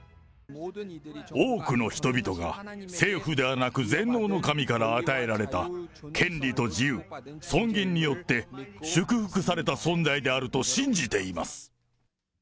多くの人々が政府ではなく全能の神から与えられた権利と自由、尊厳によって、祝福された存在であると信じています。